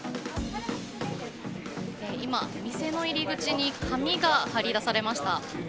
今、店の入り口に紙が貼り出されました。